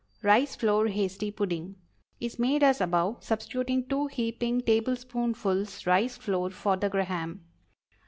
RICE FLOUR HASTY PUDDING Is made as above, substituting two heaping tablespoonfuls rice flour for the Graham.